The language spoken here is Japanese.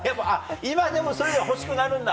今でもそういうのが欲しくなるんだ。